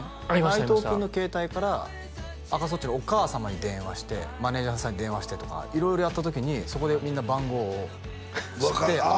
内藤君の携帯から赤楚っちのお母様に電話してマネージャーさんに電話してとか色々やった時にそこでみんな番号を知って分かるあ